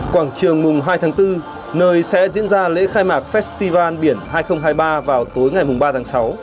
quảng trường mùng hai tháng bốn nơi sẽ diễn ra lễ khai mạc festival biển hai nghìn hai mươi ba vào tối ngày ba tháng sáu